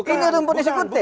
ini rumput eksekutif